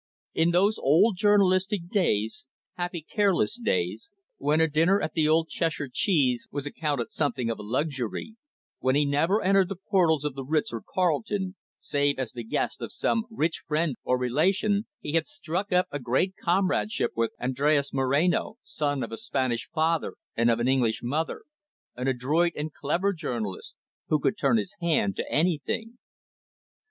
In those old journalistic days, happy, careless days, when a dinner at the old "Cheshire Cheese" was accounted something of a luxury, when he never entered the portals of the Ritz or Carlton, save as the guest of some rich friend or relation, he had struck up a great comradeship with Andres Moreno, son of a Spanish father and an English mother, an adroit and clever journalist, who could turn his hand to anything.